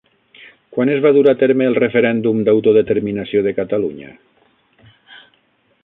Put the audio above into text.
Quan es va dur a terme el referèndum d'autodeterminació de Catalunya?